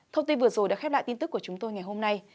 thông tin vừa rồi đã khép lại tin tức của chúng tôi ngày hôm nay